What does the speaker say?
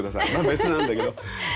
別なんだけど。